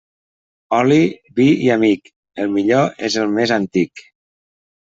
Oli, vi i amic, el millor és el més antic.